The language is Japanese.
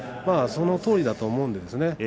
そのとおりだと思うんですね。